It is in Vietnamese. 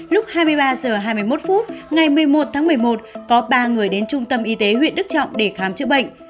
lúc hai mươi ba h hai mươi một phút ngày một mươi một tháng một mươi một có ba người đến trung tâm y tế huyện đức trọng để khám chữa bệnh